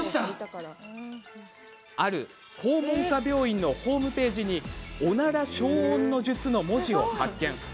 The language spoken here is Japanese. ある肛門科病院のホームページにおなら消音の術の文字を発見。